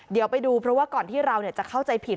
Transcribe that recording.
เดี๋ยวไปดูเพราะว่าก่อนที่เราจะเข้าใจผิด